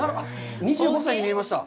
２５歳に見えました。